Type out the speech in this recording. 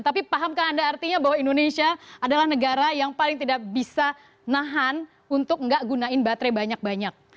tapi pahamkah anda artinya bahwa indonesia adalah negara yang paling tidak bisa nahan untuk nggak gunain baterai banyak banyak